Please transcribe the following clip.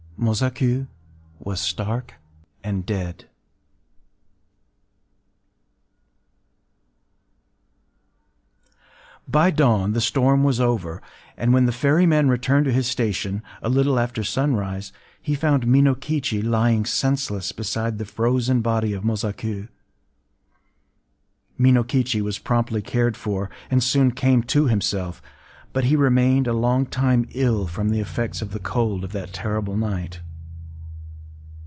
Mosaku was stark and dead... By dawn the storm was over; and when the ferryman returned to his station, a little after sunrise, he found Minokichi lying senseless beside the frozen body of Mosaku. Minokichi was promptly cared for, and soon came to himself; but he remained a long time ill from the effects of the cold of that terrible night.